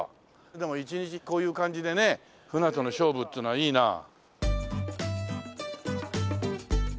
でも一日こういう感じでねフナとの勝負っていうのはいいなあ。